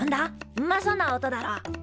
うまそうな音だろ？